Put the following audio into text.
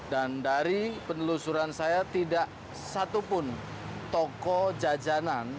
dan dari penelusuran saya tidak satupun toko jajanan